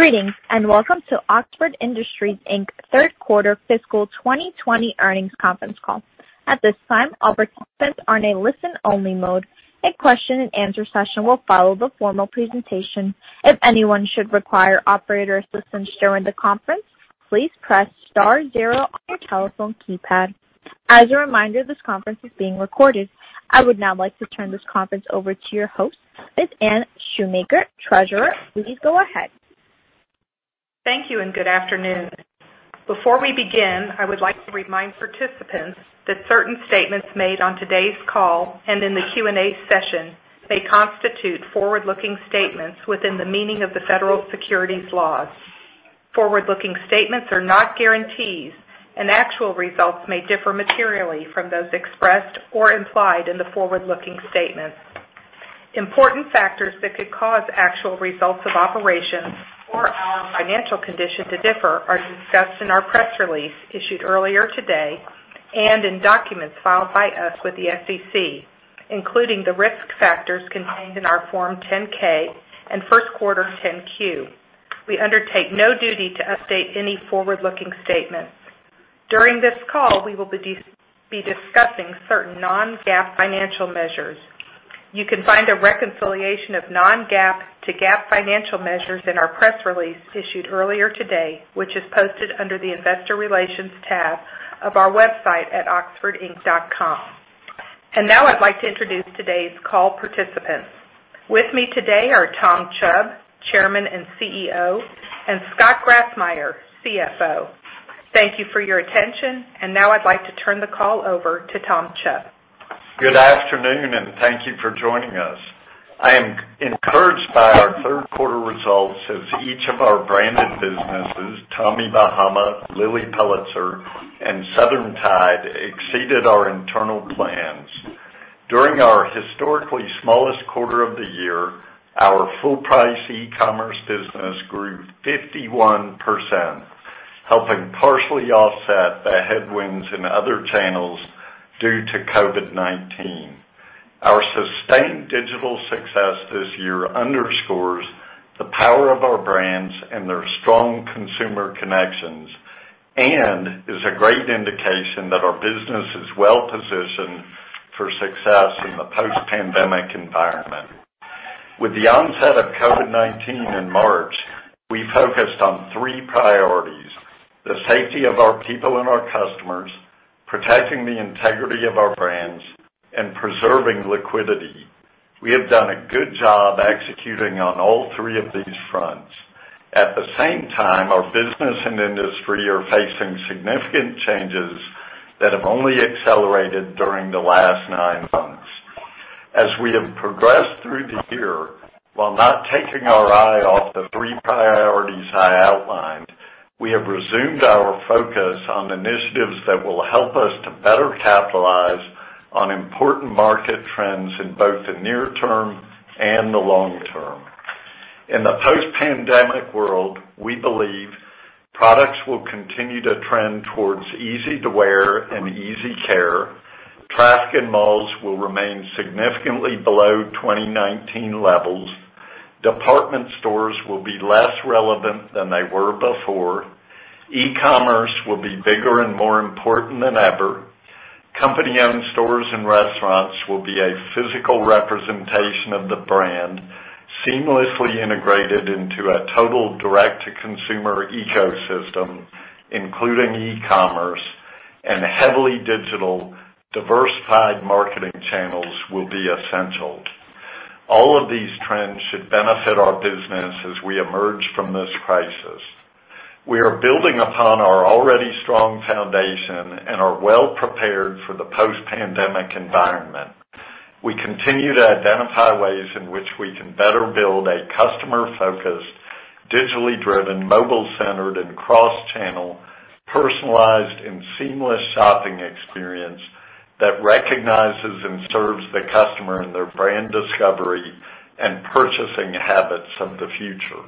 Greetings, and welcome to Oxford Industries, Inc.'s third quarter fiscal 2020 earnings conference call. At this time, all participants are in a listen-only mode. A question and answer session will follow the formal presentation. If anyone should require operator assistance during the conference, please press star zero on your telephone keypad. As a reminder, this conference is being recorded. I would now like to turn this conference over to your host, Anne Shoemaker, Treasurer. Please go ahead. Thank you, and good afternoon. Before we begin, I would like to remind participants that certain statements made on today's call and in the Q&A session may constitute forward-looking statements within the meaning of the federal securities laws. Forward-looking statements are not guarantees, and actual results may differ materially from those expressed or implied in the forward-looking statements. Important factors that could cause actual results of operations or our financial condition to differ are discussed in our press release issued earlier today, and in documents filed by us with the SEC, including the risk factors contained in our Form 10-K and first quarter 10-Q. We undertake no duty to update any forward-looking statements. During this call, we will be discussing certain non-GAAP financial measures. You can find a reconciliation of non-GAAP to GAAP financial measures in our press release issued earlier today, which is posted under the investor relations tab of our website at oxfordinc.com. Now I'd like to introduce today's call participants. With me today are Tom Chubb, Chairman and Chief Executive Officer, and Scott Grassmyer, Chief Financial Officer. Thank you for your attention, Now I'd like to turn the call over to Tom Chubb. Good afternoon, thank you for joining us. I am encouraged by our third quarter results as each of our branded businesses, Tommy Bahama, Lilly Pulitzer, and Southern Tide, exceeded our internal plans. During our historically smallest quarter of the year, our full-price e-commerce business grew 51%, helping partially offset the headwinds in other channels due to COVID-19. Our sustained digital success this year underscores the power of our brands and their strong consumer connections, is a great indication that our business is well-positioned for success in the post-pandemic environment. With the onset of COVID-19 in March, we focused on three priorities: the safety of our people and our customers, protecting the integrity of our brands, and preserving liquidity. We have done a good job executing on all three of these fronts. At the same time, our business and industry are facing significant changes that have only accelerated during the last nine months. As we have progressed through the year, while not taking our eye off the three priorities I outlined, we have resumed our focus on initiatives that will help us to better capitalize on important market trends in both the near term and the long term. In the post-pandemic world, we believe products will continue to trend towards easy to wear and easy care. Traffic in malls will remain significantly below 2019 levels. Department stores will be less relevant than they were before. E-commerce will be bigger and more important than ever. Company-owned stores and restaurants will be a physical representation of the brand, seamlessly integrated into a total direct-to-consumer ecosystem, including e-commerce, and heavily digital diversified marketing channels will be essential. All of these trends should benefit our business as we emerge from this crisis. We are building upon our already strong foundation and are well prepared for the post-pandemic environment. We continue to identify ways in which we can better build a customer-focused, digitally driven, mobile centered, and cross-channel personalized and seamless shopping experience that recognizes and serves the customer in their brand discovery and purchasing habits of the future.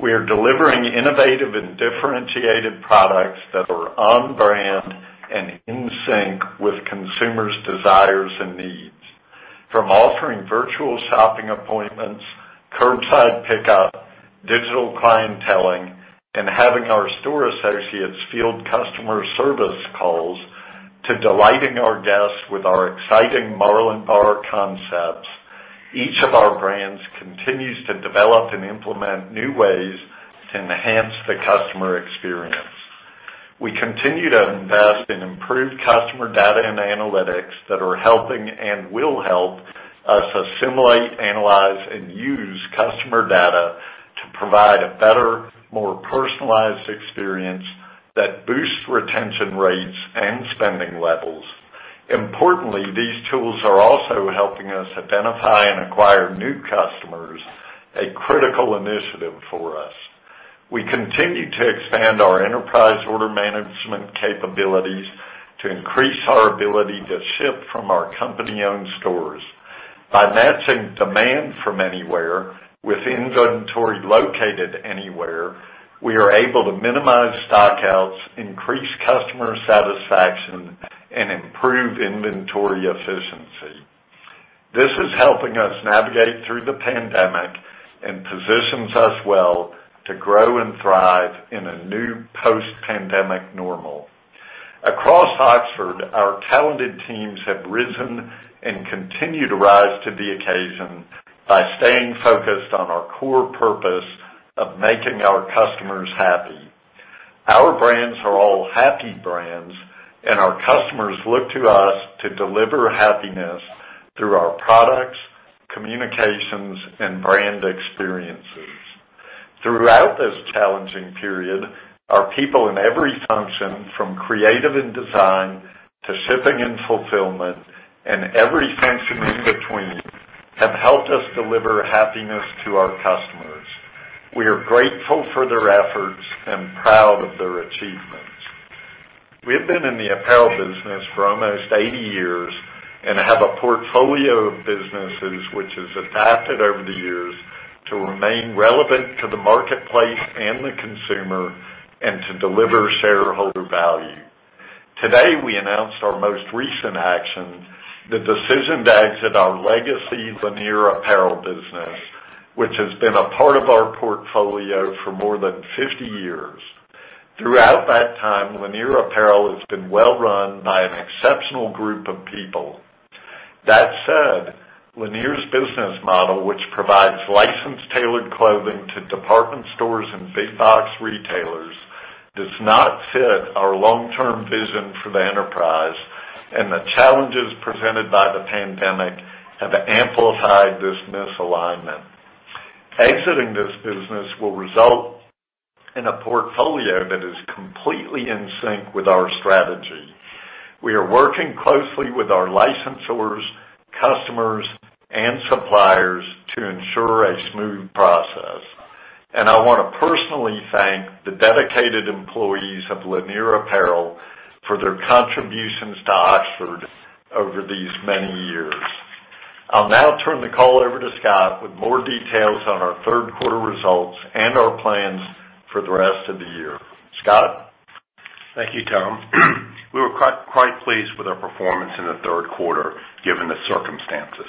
We are delivering innovative and differentiated products that are on brand and in sync with consumers' desires and needs. From offering virtual shopping appointments, curbside pickup, digital clienteling, and having our store associates field customer service calls to delighting our guests with our exciting Marlin Bar concepts, each of our brands continues to develop and implement new ways to enhance the customer experience. We continue to invest in improved customer data and analytics that are helping and will help us assimilate, analyze, and use customer data to provide a better, more personalized experience that boosts retention rates and spending levels. Importantly, these tools are also helping us identify and acquire new customers, a critical initiative for us. We continue to expand our enterprise order management capabilities to increase our ability to ship from our company-owned stores. By matching demand from anywhere with inventory located anywhere, we are able to minimize stockouts, increase customer satisfaction, and improve inventory efficiency. This is helping us navigate through the pandemic and positions us well to grow and thrive in a new post-pandemic normal. Across Oxford, our talented teams have risen and continue to rise to the occasion by staying focused on our core purpose of making our customers happy. Our brands are all happy brands, and our customers look to us to deliver happiness through our products, communications, and brand experiences. Throughout this challenging period, our people in every function, from creative and design to shipping and fulfillment and every function in between, have helped us deliver happiness to our customers. We are grateful for their efforts and proud of their achievements. We have been in the apparel business for almost 80 years and have a portfolio of businesses which has adapted over the years to remain relevant to the marketplace and the consumer and to deliver shareholder value. Today, we announced our most recent action, the decision to exit our legacy Lanier Apparel business, which has been a part of our portfolio for more than 50 years. Throughout that time, Lanier Apparel has been well run by an exceptional group of people. That said, Lanier's business model, which provides licensed tailored clothing to department stores and big box retailers, does not fit our long-term vision for the enterprise, and the challenges presented by the pandemic have amplified this misalignment. Exiting this business will result in a portfolio that is completely in sync with our strategy. We are working closely with our licensors, customers, and suppliers to ensure a smooth process. I want to personally thank the dedicated employees of Lanier Apparel for their contributions to Oxford over these many years. I'll now turn the call over to Scott with more details on our third quarter results and our plans for the rest of the year. Scott? Thank you, Tom. We were quite pleased with our performance in the third quarter, given the circumstances.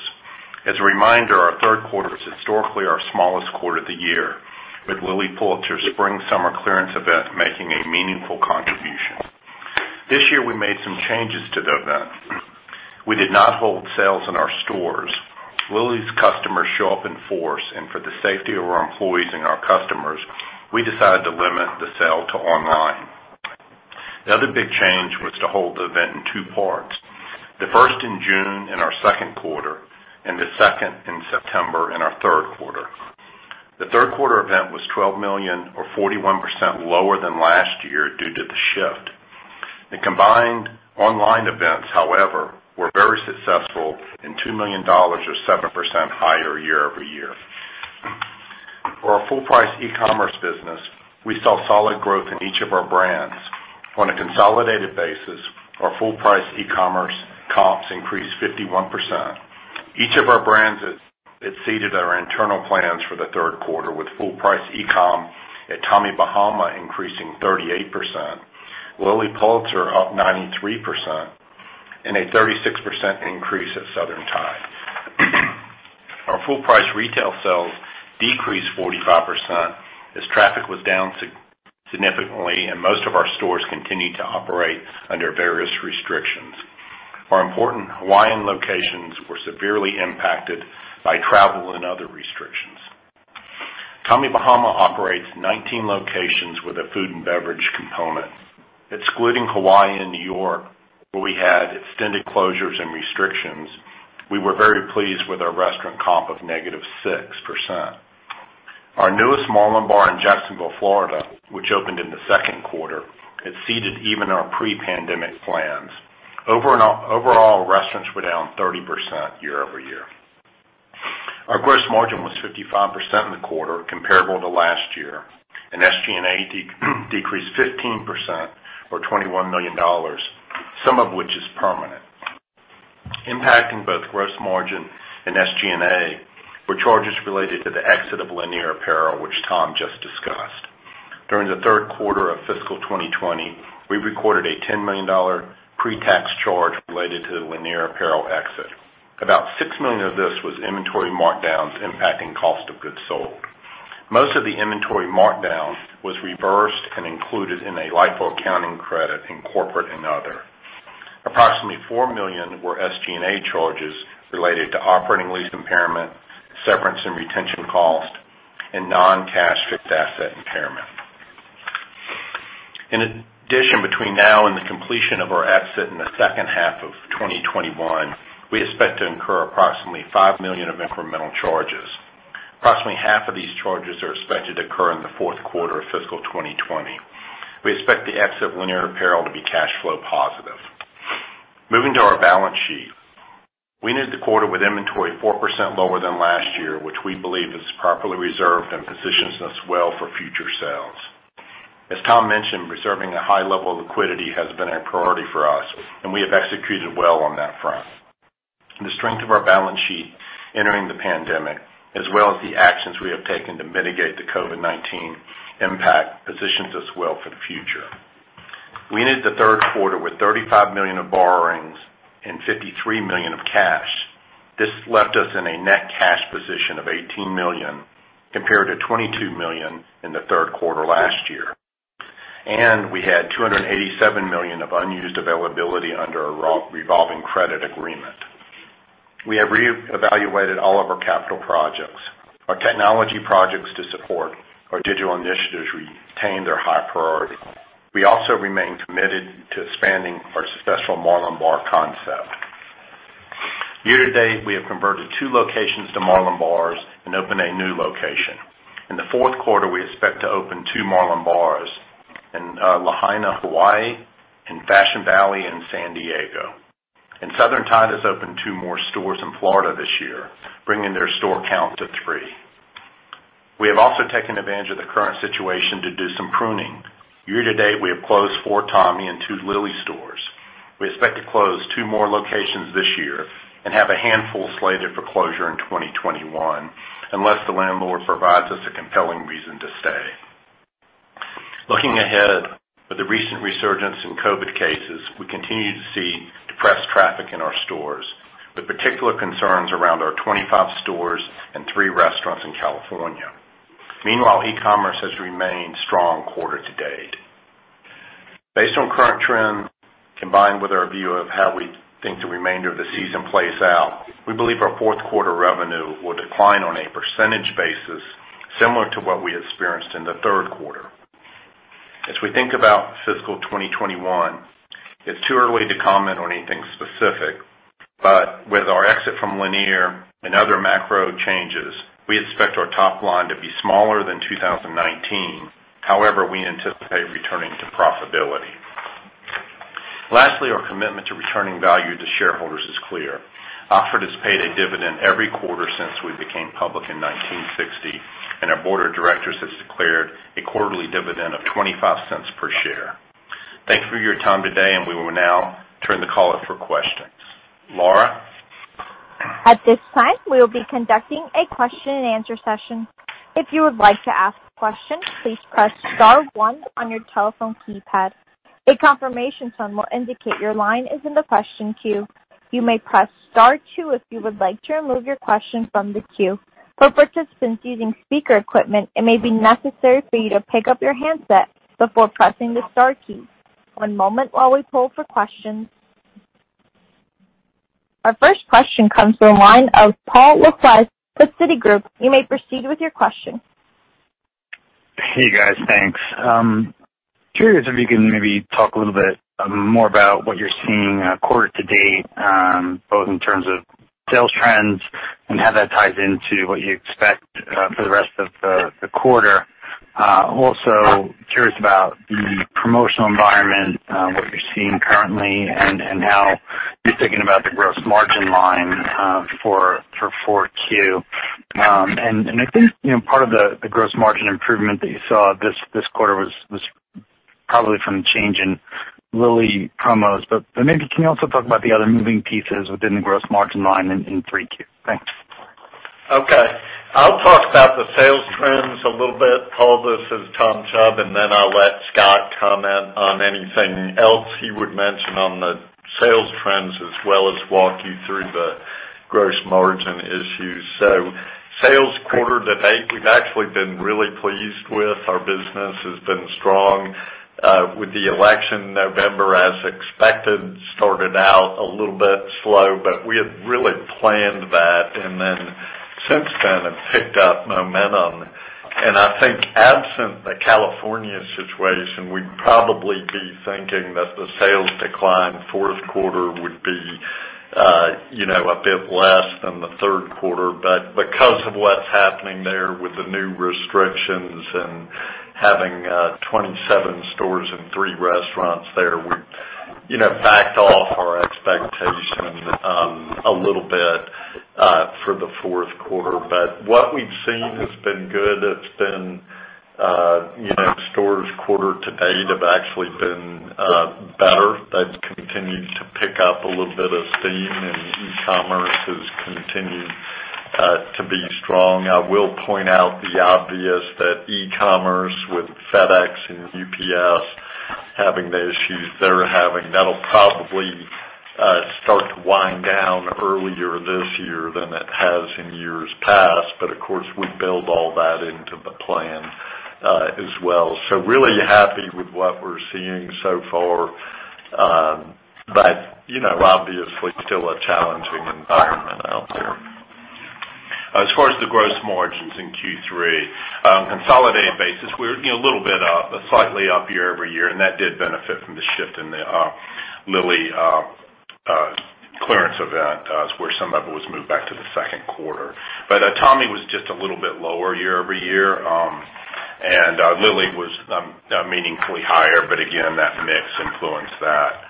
As a reminder, our third quarter is historically our smallest quarter of the year, with Lilly Pulitzer's Spring/Summer clearance event making a meaningful contribution. This year, we made some changes to the event. We did not hold sales in our stores. Lilly's customers show up in force, and for the safety of our employees and our customers, we decided to limit the sale to online. The other big change was to hold the event in two parts, the first in June in our second quarter and the second in September in our third quarter. The third quarter event was $12 million or 41% lower than last year due to the shift. The combined online events, however, were very successful and $2 million or 7% higher year-over-year. For our full price e-commerce business, we saw solid growth in each of our brands. On a consolidated basis, our full price e-commerce comps increased 51%. Each of our brands exceeded our internal plans for the third quarter, with full price e-com at Tommy Bahama increasing 38%, Lilly Pulitzer up 93%, and a 36% increase at Southern Tide. Our full price retail sales decreased 45% as traffic was down significantly and most of our stores continued to operate under various restrictions. Our important Hawaiian locations were severely impacted by travel and other restrictions. Tommy Bahama operates 19 locations with a food and beverage component. Excluding Hawaii and N.Y., where we had extended closures and restrictions, we were very pleased with our restaurant comp of negative 6%. Our newest Marlin Bar in Jacksonville, Florida, which opened in the second quarter, exceeded even our pre-pandemic plans. Overall, restaurants were down 30% year-over-year. Our gross margin was 55% in the quarter comparable to last year, and SG&A decreased 15% or $21 million, some of which is permanent. Impacting both gross margin and SG&A were charges related to the exit of Lanier Apparel, which Tom just discussed. During the third quarter of fiscal 2020, we recorded a $10 million pre-tax charge related to the Lanier Apparel exit. About $6 million of this was inventory markdowns impacting cost of goods sold. Most of the inventory markdown was reversed and included in a LIFO accounting credit in corporate and other. Approximately $4 million were SG&A charges related to operating lease impairment, severance and retention costs, and non-cash fixed asset impairment. In addition, between now and the completion of our exit in the second half of 2021, we expect to incur approximately $5 million of incremental charges. Approximately half of these charges are expected to occur in the fourth quarter of fiscal 2020. We expect the exit of Lanier Apparel to be cash flow positive. Moving to our balance sheet. We ended the quarter with inventory 4% lower than last year, which we believe is properly reserved and positions us well for future sales. As Tom mentioned, reserving a high level of liquidity has been a priority for us, and we have executed well on that front. The strength of our balance sheet entering the pandemic, as well as the actions we have taken to mitigate the COVID-19 impact, positions us well for the future. We ended the third quarter with $35 million of borrowings and $53 million of cash. This left us in a net cash position of $18 million, compared to $22 million in the third quarter last year. We had $287 million of unused availability under a revolving credit agreement. We have reevaluated all of our capital projects. Our technology projects to support our digital initiatives retain their high priority. We also remain committed to expanding our successful Marlin Bar concept. Year to date, we have converted two locations to Marlin Bars and opened a new location. In the fourth quarter, we expect to open two Marlin Bars in Lahaina, Hawaii, and Fashion Valley in San Diego. Southern Tide has opened two more stores in Florida this year, bringing their store count to three. We have also taken advantage of the current situation to do some pruning. Year to date, we have closed four Tommy and two Lilly stores. We expect to close two more locations this year and have a handful slated for closure in 2021, unless the landlord provides us a compelling reason to stay. Looking ahead, with the recent resurgence in COVID cases, we continue to see depressed traffic in our stores, with particular concerns around our 25 stores and three restaurants in California. Meanwhile, e-commerce has remained strong quarter to date. Based on current trends, combined with our view of how we think the remainder of the season plays out, we believe our fourth quarter revenue will decline on a percentage basis similar to what we experienced in the third quarter. As we think about fiscal 2021, it's too early to comment on anything specific, but with our exit from Lanier and other macro changes, we expect our top line to be smaller than 2019. We anticipate returning to profitability. Lastly, our commitment to returning value to shareholders is clear. Oxford has paid a dividend every quarter since we became public in 1960, and our board of directors has declared a quarterly dividend of $0.25 per share. Thank you for your time today, and we will now turn the call over for questions. Lauren? Our first question comes from the line of Paul Lejuez with Citigroup. You may proceed with your question. Hey, guys. Thanks. Curious if you can maybe talk a little bit more about what you're seeing quarter to date, both in terms of sales trends and how that ties into what you expect for the rest of the quarter. Also, curious about the promotional environment, what you're seeing currently, and how you're thinking about the gross margin line for 4Q. I think part of the gross margin improvement that you saw this quarter was probably from the change in Lilly promos. Maybe can you also talk about the other moving pieces within the gross margin line in 3Q? Thanks. Okay. I'll talk about the sales trends a little bit, Paul. This is Tom Chubb, and then I'll let Scott comment on anything else he would mention on the sales trends, as well as walk you through the gross margin issues. Sales quarter to date, we've actually been really pleased with. Our business has been strong. With the election in November, as expected, started out a little bit slow, but we had really planned that. Since then, have picked up momentum. I think absent the California situation, we'd probably be thinking that the sales decline fourth quarter would be a bit less than the third quarter. Because of what's happening there with the new restrictions and having 27 stores and three restaurants there, we backed off our expectation a little bit for the fourth quarter. What we've seen has been good. Stores quarter to date have actually been better. They've continued to pick up a little bit of steam, and e-commerce has continued to be strong. I will point out the obvious that e-commerce with FedEx and UPS having the issues they're having, that'll probably start to wind down earlier this year than it has in years past. Of course, we build all that into the plan as well. Really happy with what we're seeing so far. Obviously still a challenging environment out there. As far as the gross margins in Q3, consolidated basis, we're a little bit up, slightly up year-over-year, and that did benefit from the shift in the Lilly clearance event, where some of it was moved back to the second quarter. Tommy was just a little bit lower year-over-year, and Lilly was meaningfully higher. Again, that mix influenced that.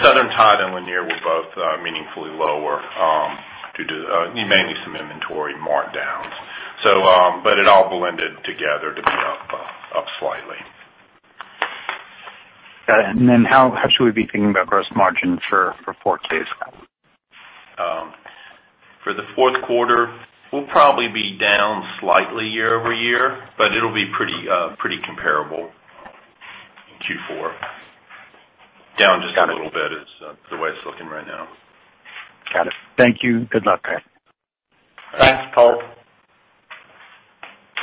Southern Tide and Lanier were both meaningfully lower due to mainly some inventory markdowns. It all blended together to be up slightly. Got it. How should we be thinking about gross margin for? The fourth quarter will probably be down slightly year-over-year, but it'll be pretty comparable to four. Down just a little bit is the way it's looking right now. Got it. Thank you. Good luck, guys. Thanks, Paul.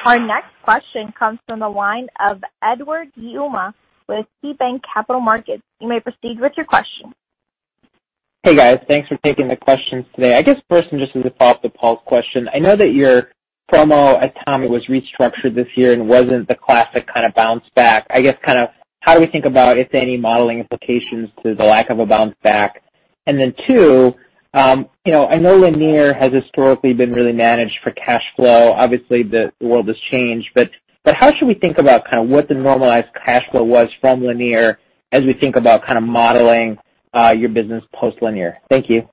Our next question comes from the line of Edward Yruma with KeyBanc Capital Markets. You may proceed with your question. Hey guys, thanks for taking the questions today. I guess first, and just as a follow-up to Paul's question, I know that your promo at Tommy was restructured this year and wasn't the classic bounce back. I guess, how do we think about, if any, modeling implications to the lack of a bounce back? Then two, I know Lanier has historically been really managed for cash flow. Obviously, the world has changed, but how should we think about what the normalized cash flow was from Lanier as we think about modeling your business post-Lanier? Thank you.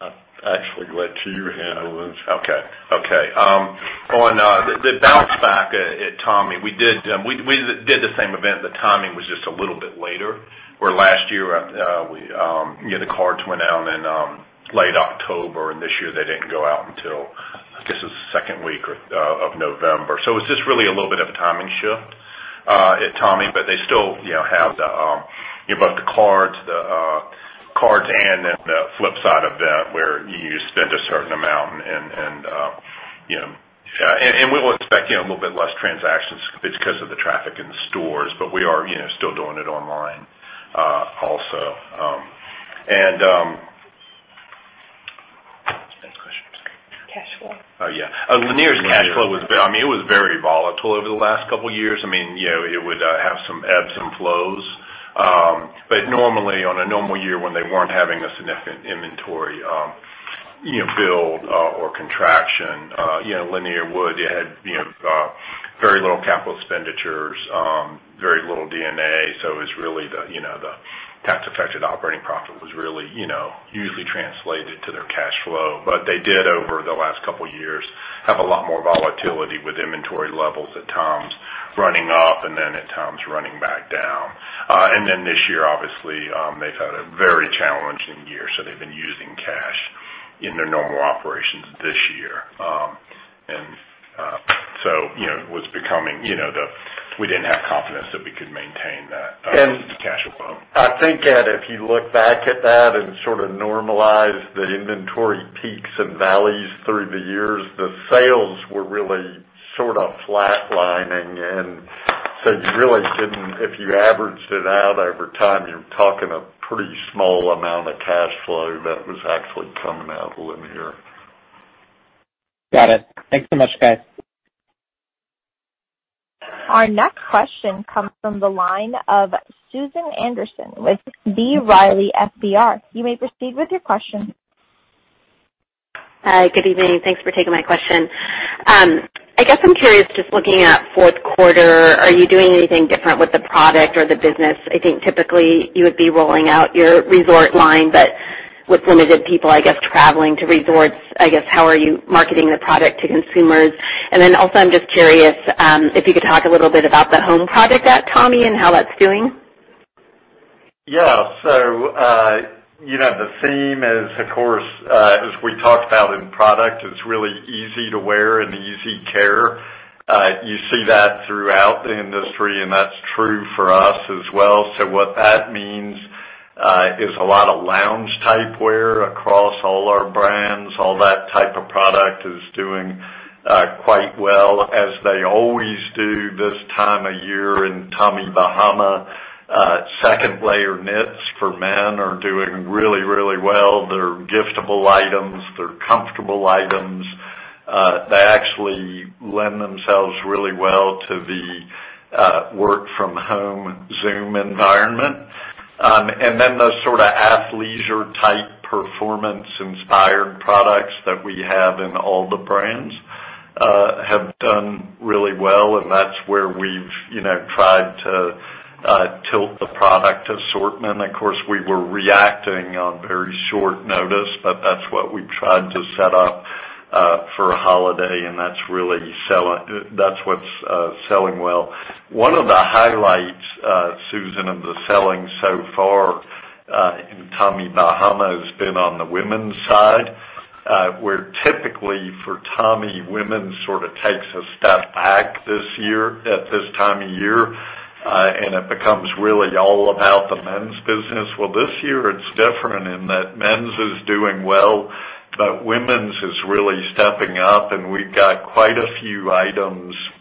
I actually went to you. Okay. On the bounce back at Tommy, we did the same event, but the timing was just a little bit later. Where last year, the cards went out in late October, and this year they didn't go out until, I guess it was the second week of November. It's just really a little bit of a timing shift at Tommy, but they still have both the cards and then the flip side of that, where you spend a certain amount and we'll expect a little bit less transactions because of the traffic in the stores, but we are still doing it online also. Next question. I'm sorry. Cash flow. Oh, yeah. Lanier's cash flow was very volatile over the last couple of years. It would have some ebbs and flows. Normally, on a normal year when they weren't having a significant inventory build or contraction, Lanier would. You had very little capital expenditures, very little D&A, so it was really the tax affected operating profit was really usually translated to their cash flow. They did, over the last couple of years, have a lot more volatility with inventory levels at times running up and then at times running back down. This year, obviously, they've had a very challenging year, so they've been using cash in their normal operations this year. We didn't have confidence that we could maintain that cash flow. I think, Ed, if you look back at that and normalize the inventory peaks and valleys through the years, the sales were really flat lining in. If you averaged it out over time, you're talking a pretty small amount of cash flow that was actually coming out of Lanier. Got it. Thanks so much, guys. Our next question comes from the line of Susan Anderson with B. Riley FBR. You may proceed with your question. Hi. Good evening. Thanks for taking my question. I guess I'm curious, just looking at fourth quarter, are you doing anything different with the product or the business? I think typically you would be rolling out your resort line, but with limited people, I guess, traveling to resorts, I guess, how are you marketing the product to consumers? Also, I'm just curious if you could talk a little bit about the home product at Tommy and how that's doing. Yeah. The theme is, of course, as we talked about in product, it's really easy to wear and easy care. You see that throughout the industry, that's true for us as well. What that means is a lot of lounge type wear across all our brands. All that type of product is doing quite well, as they always do this time of year in Tommy Bahama. Second layer knits for men are doing really well. They're giftable items. They're comfortable items. They actually lend themselves really well to the work from home Zoom environment. The athleisure type performance inspired products that we have in all the brands have done really well, and that's where we've tried to tilt the product assortment. Of course, we were reacting on very short notice, but that's what we've tried to set up for holiday, and that's what's selling well. One of the highlights, Susan, of the selling so far in Tommy Bahama has been on the women's side, where typically for Tommy, women takes a step back at this time of year, and it becomes really all about the men's business. Well, this year it's different in that men's is doing well, but women's is really stepping up, and we've got quite a few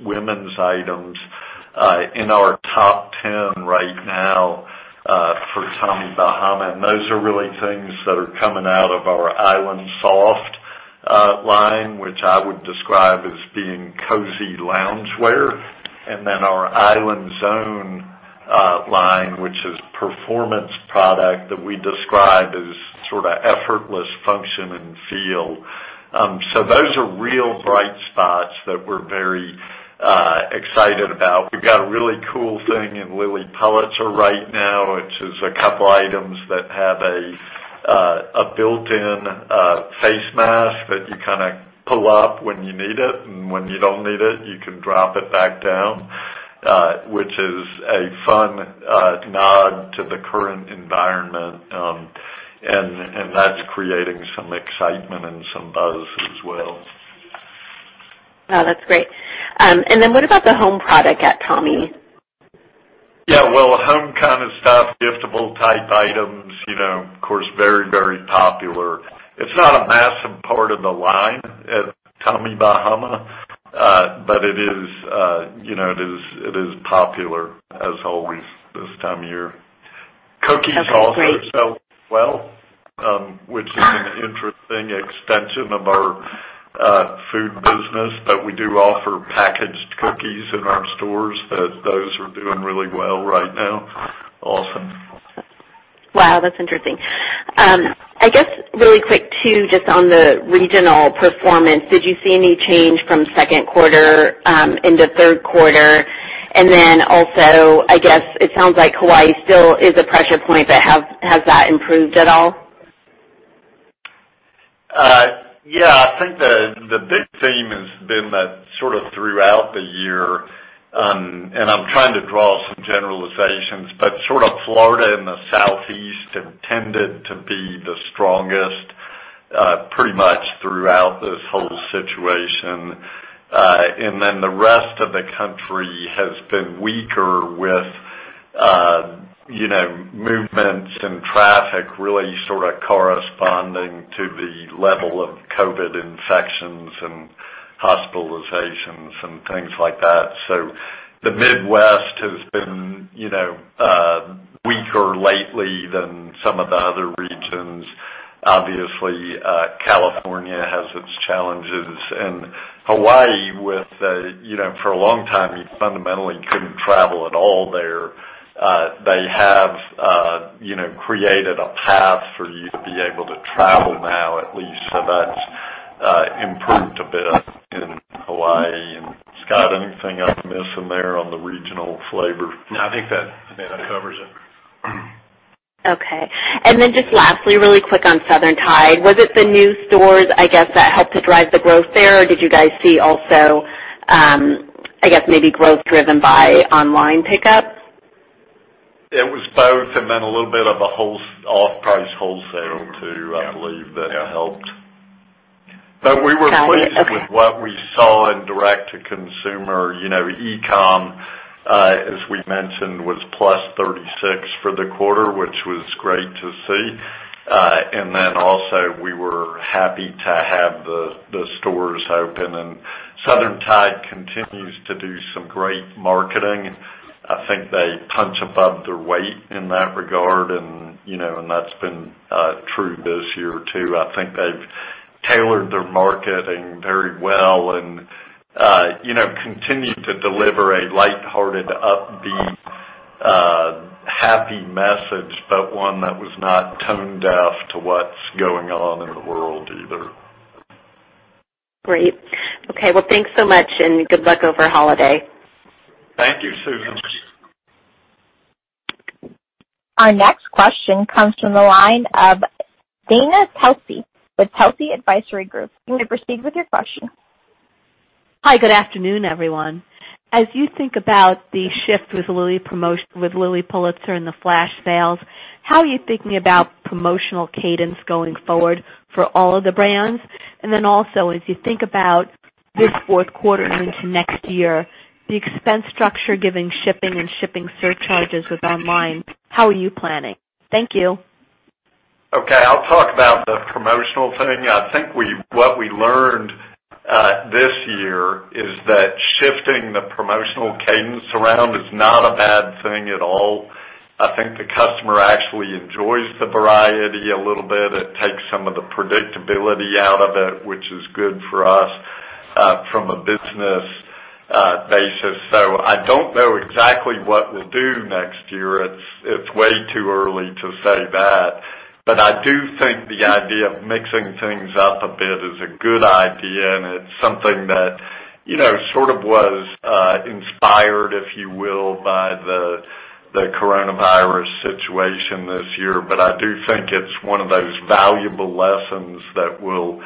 women's items in our top 10 right now for Tommy Bahama. Those are really things that are coming out of our Island Soft line, which I would describe as being cozy loungewear, and then our IslandZone line, which is performance product that we describe as effortless function and feel. Those are real bright spots that we're very excited about. We've got a really cool thing in Lilly Pulitzer right now, which is a couple items that have a built-in face mask that you pull up when you need it, and when you don't need it, you can drop it back down which is a fun nod current environment. That's creating some excitement and some buzz as well. Oh, that's great. What about the home product at Tommy? Yeah, well, home kind of stuff, giftable type items, of course, very, very popular. It's not a massive part of the line at Tommy Bahama, but it is popular as always this time of year. Cookies also sell well, which is an interesting extension of our food business, but we do offer packaged cookies in our stores. Those are doing really well right now. Awesome. Wow, that's interesting. I guess really quick too, just on the regional performance, did you see any change from second quarter into third quarter? I guess it sounds like Hawaii still is a pressure point, but has that improved at all? Yeah, I think the big theme has been that sort of throughout the year, and I'm trying to draw some generalizations, but sort of Florida and the Southeast have tended to be the strongest pretty much throughout this whole situation. The rest of the country has been weaker with movements and traffic really sort of corresponding to the level of COVID infections and hospitalizations and things like that. The Midwest has been weaker lately than some of the other regions. Obviously, California has its challenges, and Hawaii with, for a long time, you fundamentally couldn't travel at all there. They have created a path for you to be able to travel now at least, so that's improved a bit in Hawaii. Scott, anything I'm missing there on the regional flavor? No, I think that covers it. Okay. Just lastly, really quick on Southern Tide. Was it the new stores, I guess, that helped to drive the growth there? Did you guys see also, I guess maybe growth driven by online pickup? It was both, a little bit of a off-price wholesale too, I believe that helped. We were pleased with what we saw in direct to consumer. e-com, as we mentioned, was plus 36 for the quarter, which was great to see. Also we were happy to have the stores open, and Southern Tide continues to do some great marketing. I think they punch above their weight in that regard, and that's been true this year too. I think they've tailored their marketing very well and continue to deliver a lighthearted, upbeat, happy message, one that was not tone-deaf to what's going on in the world either. Great. Okay, well, thanks so much and good luck over holiday. Thank you, Susan. Our next question comes from the line of Dana Telsey with Telsey Advisory Group. You may proceed with your question. Hi, good afternoon, everyone. As you think about the shift with Lilly Pulitzer and the flash sales, how are you thinking about promotional cadence going forward for all of the brands? As you think about this fourth quarter and into next year, the expense structure, giving shipping and shipping surcharges with online, how are you planning? Thank you. Okay, I'll talk about the promotional thing. I think what we learned this year is that shifting the promotional cadence around is not a bad thing at all. I think the customer actually enjoys the variety a little bit. It takes some of the predictability out of it, which is good for us from a business basis. I don't know exactly what we'll do next year. It's way too early to say that. I do think the idea of mixing things up a bit is a good idea, and it's something that sort of was inspired, if you will, by the coronavirus situation this year. I do think it's one of those valuable lessons that we'll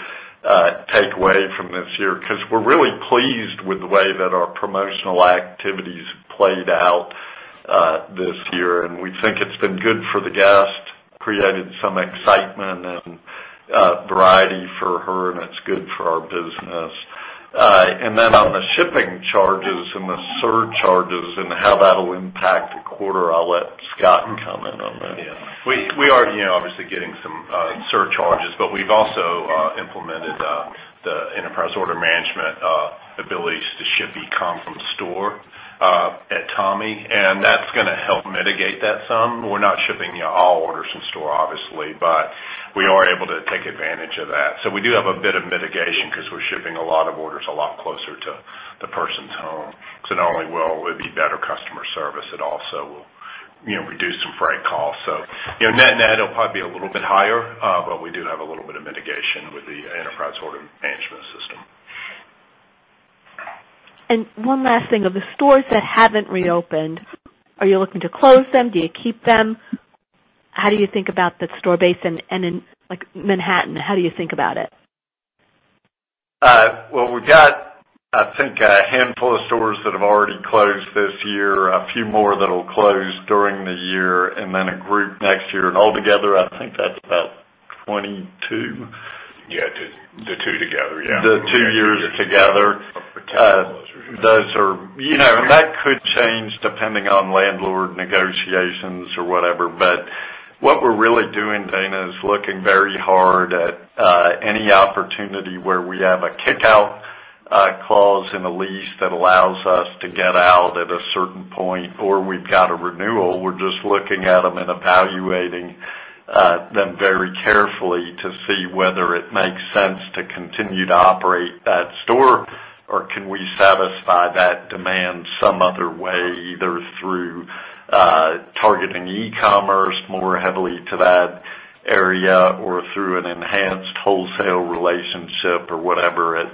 take away from this year because we're really pleased with the way that our promotional activities played out this year, and we think it's been good for the guest, created some excitement and variety for her, and it's good for our business. Then on the shipping charges and the surcharges and how that'll impact the quarter, I'll let Scott comment on that. We are obviously getting some surcharges, but we've also implemented the enterprise order management abilities to ship e-com from store at Tommy, and that's going to help mitigate that some. We're not shipping all orders in store, obviously, but we are able to take advantage of that. We do have a bit of mitigation because we're shipping a lot of orders a lot closer to the person's home, because not only will it be better customer service, it also will reduce some freight costs. Net-net, it'll probably be a little bit higher, but we do have a little bit of mitigation with the enterprise order management system. One last thing. Of the stores that haven't reopened, are you looking to close them? Do you keep them? How do you think about the store base and in Manhattan, how do you think about it? Well, we've got, I think, a handful of stores that have already closed this year, a few more that'll close during the year, and then a group next year. Altogether, I think that's about 22. Yeah, the two together, yeah. The two years together. Those are, and that could change depending on landlord negotiations or whatever. What we're really doing, Dana Telsey, is looking very hard at any opportunity where we have a kick-out clause in a lease that allows us to get out at a certain point, or we've got a renewal. We're just looking at them and evaluating them very carefully to see whether it makes sense to continue to operate that store, or can we satisfy that demand some other way, either through targeting e-commerce more heavily to that area or through an enhanced wholesale relationship or whatever it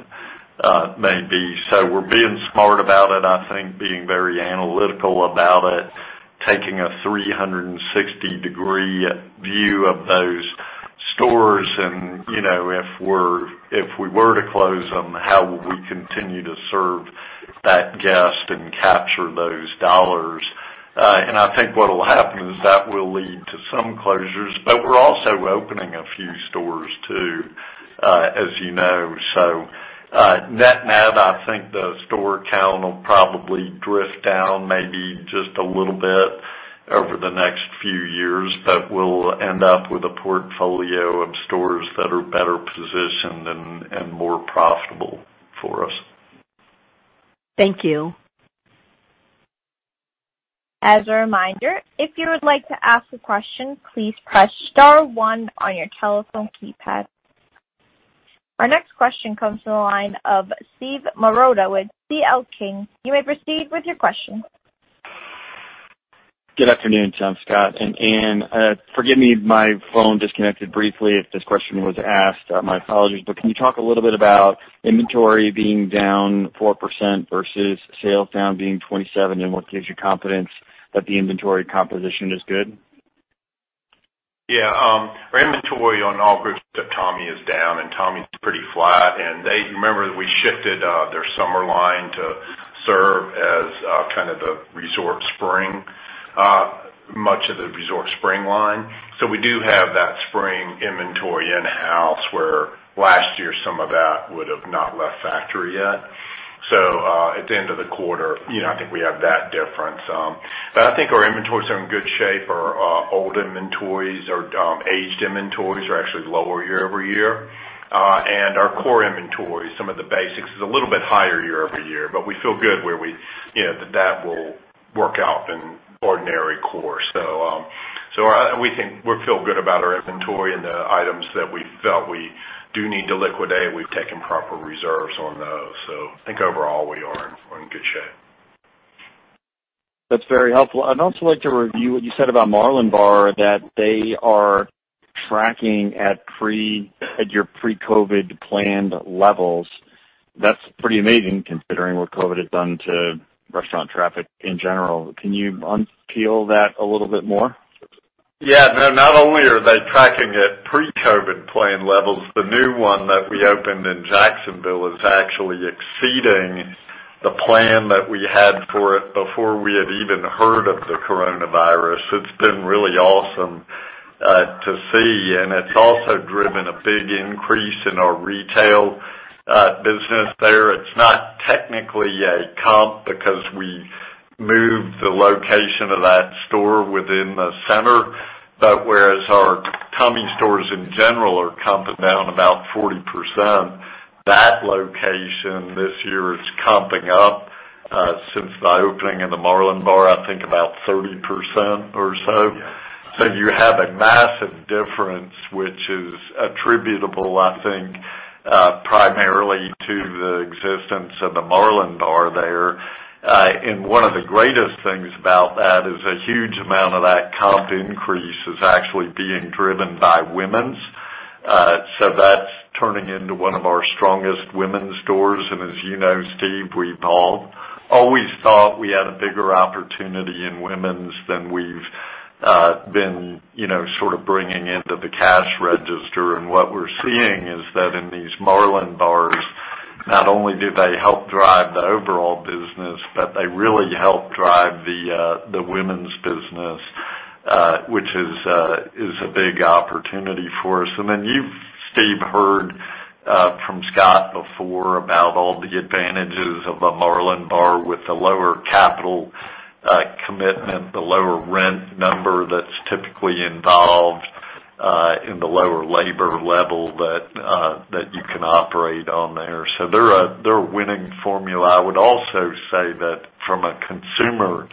may be. We're being smart about it, I think being very analytical about it, taking a 360-degree view of those stores. If we were to close them, how will we continue to serve that guest and capture those dollars? I think what will happen is that will lead to some closures. We're also opening a few stores too, as you know. Net, I think the store count will probably drift down maybe just a little bit over the next few years, but we'll end up with a portfolio of stores that are better positioned and more profitable for us. Thank you. As a reminder, if you would like to ask a question, please press star one on your telephone keypad. Our next question comes from the line of Steve Marotta with C.L. King. You may proceed with your question. Good afternoon, Tom, Scott, and Anne. Forgive me, my phone disconnected briefly if this question was asked, my apologies. Can you talk a little bit about inventory being down 4% versus sales down being 27%, and what gives you confidence that the inventory composition is good? Yeah. Our inventory on all groups at Tommy is down, and Tommy's pretty flat. Remember that we shifted their summer line to serve as kind of the resort spring, much of the resort spring line. We do have that spring inventory in-house, where last year some of that would have not left factory yet. At the end of the quarter, I think we have that difference. I think our inventories are in good shape. Our old inventories or aged inventories are actually lower year-over-year. Our core inventories, some of the basics, is a little bit higher year-over-year. We feel good where that will work out in ordinary course. We feel good about our inventory, and the items that we felt we do need to liquidate, we've taken proper reserves on those. I think overall we are in good shape. That's very helpful. I'd also like to review what you said about Marlin Bar, that they are tracking at your pre-COVID planned levels. That's pretty amazing considering what COVID has done to restaurant traffic in general. Can you unpeel that a little bit more? Yeah. No, not only are they tracking at pre-COVID plan levels, the new one that we opened in Jacksonville is actually exceeding the plan that we had for it before we had even heard of the coronavirus. It's been really awesome to see, and it's also driven a big increase in our retail business there. It's not technically a comp because we moved the location of that store within the center. Whereas our Tommy stores in general are comping down about 40%, that location this year is comping up since the opening in the Marlin Bar, I think about 30% or so. You have a massive difference, which is attributable, I think, primarily to the existence of the Marlin Bar there. One of the greatest things about that is a huge amount of that comp increase is actually being driven by women's. That's turning into one of our strongest women's stores. As you know, Steve, we've all always thought we had a bigger opportunity in women's than we've been sort of bringing into the cash register. What we're seeing is that in these Marlin Bars, not only do they help drive the overall business, but they really help drive the women's business, which is a big opportunity for us. You've, Steve, heard from Scott before about all the advantages of a Marlin Bar with the lower capital commitment, the lower rent number that's typically involved, and the lower labor level that you can operate on there. They're a winning formula. I would also say that from a consumer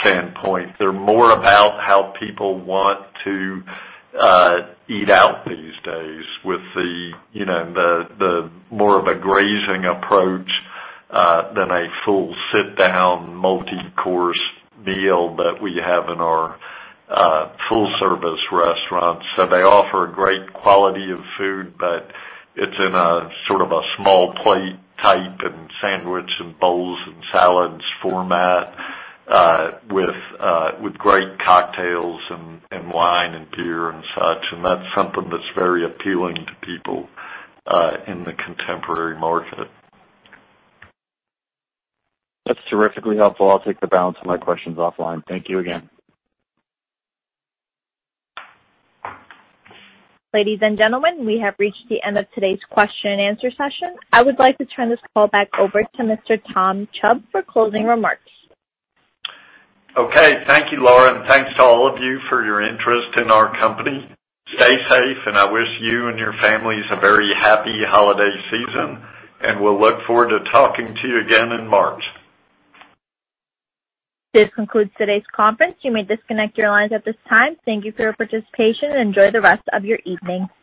standpoint, they're more about how people want to eat out these days with the more of a grazing approach than a full sit-down, multi-course meal that we have in our full-service restaurants. They offer a great quality of food, but it's in a sort of a small plate type and sandwich and bowls and salads format with great cocktails and wine and beer and such. That's something that's very appealing to people in the contemporary market. That's terrifically helpful. I'll take the balance of my questions offline. Thank you again. Ladies and gentlemen, we have reached the end of today's question and answer session. I would like to turn this call back over to Mr. Tom Chubb for closing remarks. Okay. Thank you, Lauren. Thanks to all of you for your interest in our company. Stay safe, and I wish you and your families a very happy holiday season, and we'll look forward to talking to you again in March. This concludes today's conference. You may disconnect your lines at this time. Thank you for your participation, and enjoy the rest of your evening.